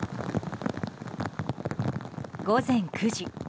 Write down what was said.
午前９時。